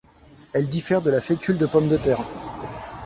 Elle diffère de la fécule de pomme de terre.